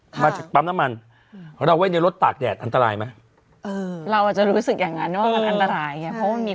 เพราะมันมีความร้อนอะไรอย่างนี้